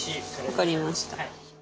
分かりました。